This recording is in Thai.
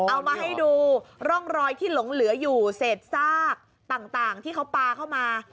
เอามาให้ดูร่องรอยที่หลงเหลืออยู่เศษซากต่างที่เขาปลาเข้ามา